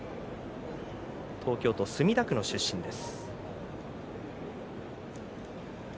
東京都墨田区の出身です。